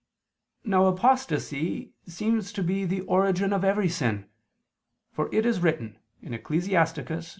Now apostasy seems to be the origin of every sin, for it is written (Ecclus.